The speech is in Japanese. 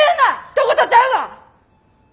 ひと事ちゃうわ！